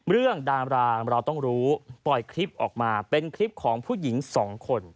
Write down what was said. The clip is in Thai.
ดามรางเราต้องรู้ปล่อยคลิปออกมาเป็นคลิปของผู้หญิงสองคน